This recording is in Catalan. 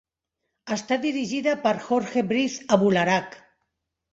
Està dirigida per Jorge Briz Abularach.